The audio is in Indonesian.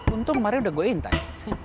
untung kemarin udah gue inti